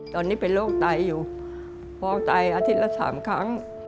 ตอนนี้เป็นโรคไตอยู่ฟอกไตอาทิตย์ละ๓ครั้ง